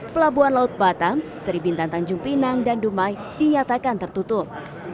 pelabuhan laut batam seri bintan tanjung pinang dan dumai dinyatakan tertutup